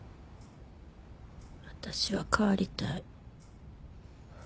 私は変わりたい。